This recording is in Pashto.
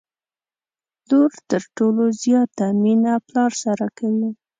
لور تر ټولو زياته مينه پلار سره کوي